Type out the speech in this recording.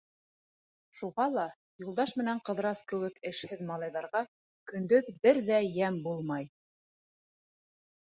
Шуға ла Юлдаш менән Ҡыҙырас кеүек «эшһеҙ» малайҙарға көндөҙ бер ҙә йәм булмай.